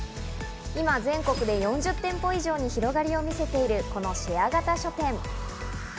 今、全国で４０店舗以上に広がりを見せているこのシェア型書店。